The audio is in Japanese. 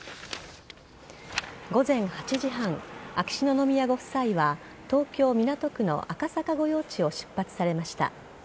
午前８時半秋篠宮ご夫妻は東京・港区の赤坂御用地を出発されました。